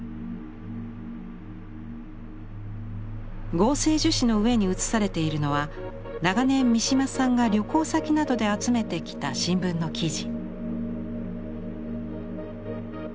合成樹脂の上に写されているのは長年三島さんが旅行先などで集めてきた新聞の記事。